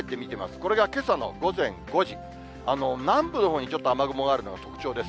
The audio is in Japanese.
これがけさの午前５時、南部のほうにちょっと雨雲があるのが特徴です。